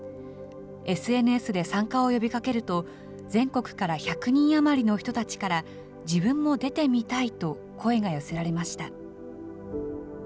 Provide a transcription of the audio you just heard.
ＳＮＳで参加を呼びかけると、全国から１００人余りの人たちから、自分も出てみたいと声が寄せられました。